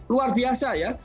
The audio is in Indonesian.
luar biasa ya